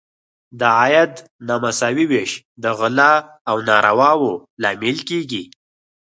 د عاید نامساوي ویش د غلا او نارواوو لامل کیږي.